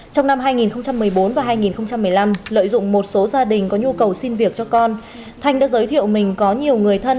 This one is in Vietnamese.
trong năm hai nghìn một mươi bốn và hai nghìn một mươi năm lợi dụng một số gia đình có nhu cầu xin việc cho con thanh đã giới thiệu mình có nhiều người thân